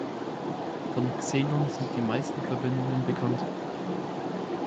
Von Xenon sind die meisten Verbindungen bekannt.